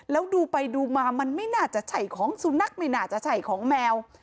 แล้วดูไปดูมามันไม่น่าจะใช่ของสุนัขไม่น่าจะใช่ของแมว